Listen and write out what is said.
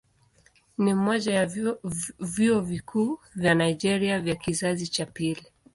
Ni mmoja ya vyuo vikuu vya Nigeria vya kizazi cha pili.